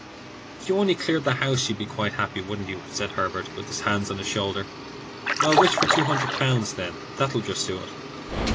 "If you only cleared the house, you'd be quite happy, wouldn't you?" said Herbert, with his hand on his shoulder. "Well, wish for two hundred pounds, then; that 'll just do it."